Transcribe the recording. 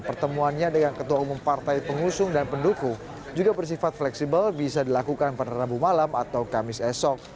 pertemuannya dengan ketua umum partai pengusung dan pendukung juga bersifat fleksibel bisa dilakukan pada rabu malam atau kamis esok